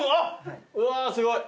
うわすごい。